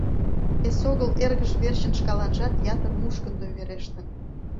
Эсогыл эргыж верчын шкаланжат ятыр мушкындо верештын.